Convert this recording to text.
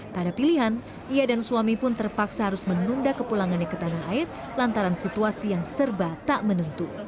tak ada pilihan ia dan suami pun terpaksa harus menunda kepulangannya ke tanah air lantaran situasi yang serba tak menentu